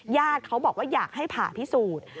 ญาติเขาบอกว่าอยากให้ผ่าพิสูจน์